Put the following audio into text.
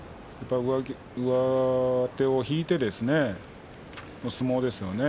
上手を引いてですね相撲ですね。